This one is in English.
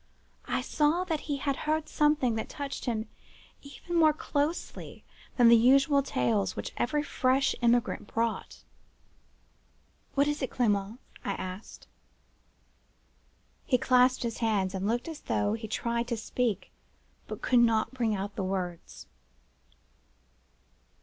I saw that he had heard something that touched him even more closely than the usual tales which every fresh emigrant brought. "'What is it, Clement?' I asked. "He clasped his hands, and looked as though he tried to speak, but could not bring out the words.